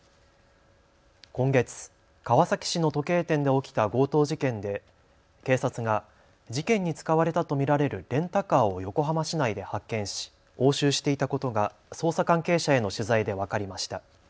今月、川崎市の時計店で起きた強盗事件で警察が事件に使われたと見られるレンタカーを横浜市内で発見し押収していたことが捜査関係者への取材で分かりました。